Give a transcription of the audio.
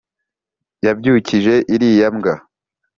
yabyukishije iriya mbwa